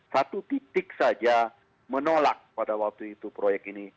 satu titik saja menolak pada waktu itu proyek ini